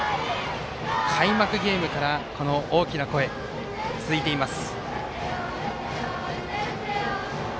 開幕ゲームからこの大きな声、続いています。